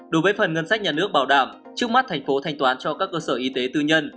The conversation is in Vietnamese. đối với phần ngân sách nhà nước bảo đảm trước mắt thành phố thanh toán cho các cơ sở y tế tư nhân